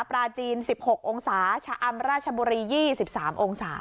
ปลาจีน๑๖องศาชะอำราชบุรี๒๓องศา